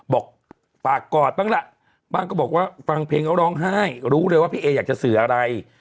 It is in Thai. บอกฝากกอดบ้างล่ะบ้างก็บอกว่าฟังเพลงแล้วร้องไห้รู้เลยว่าพี่เออยากจะสื่ออะไร